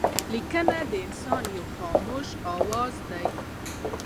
لیکنه د انسان یو خاموشه آواز دئ.